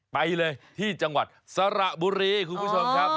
ไปเลยที่จังหวัดสระบุรีคุณผู้ชมครับ